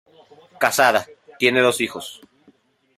Casada, tiene dos hijos.